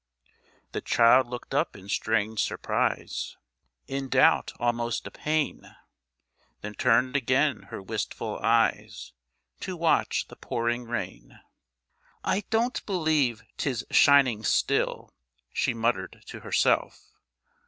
The child looked up in strange surprise, In doubt almost a pain, Then turned again her wistful eyes To watch the pouring rain. "I don't believe 'tis shining still," She muttered to herself.